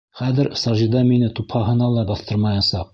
Хәҙер Сажидә мине тупһаһына ла баҫтырмаясаҡ!